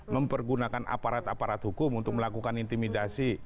mempergunakan aparat aparat hukum untuk melakukan intimidasi